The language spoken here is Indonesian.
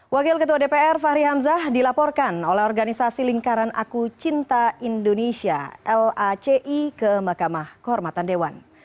wakil ketua dpr fahri hamzah dilaporkan oleh organisasi lingkaran aku cinta indonesia laci ke mahkamah kehormatan dewan